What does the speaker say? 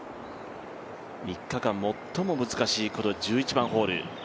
３日間最も難しい、この１１番ホール。